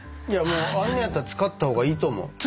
あんねやったら使った方がいいと思う。